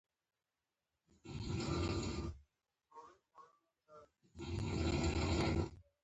بیوسۍ ترې د ځوانۍ نشه لوټلې